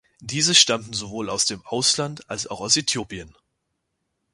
Diese stammten sowohl aus dem Ausland als auch aus Äthiopien.